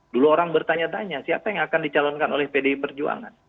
dulu orang bertanya tanya siapa yang akan dicalonkan oleh pdi perjuangan